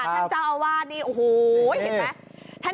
ธนตาเอาวานนี่อูหูเห็นไหม